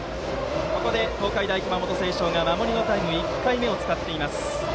ここで東海大熊本星翔が守りのタイム１回目を使います。